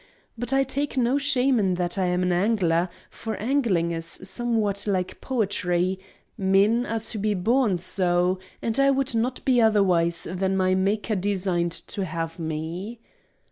But I take no shame in that I am an angler; for angling is somewhat like poetry; men are to be born so, and I would not be otherwise than my Maker designed to have me.